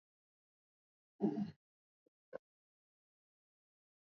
ამჟამად ამ შენობაში განთავსებულია ბავშვთა სამხატვრო სკოლა.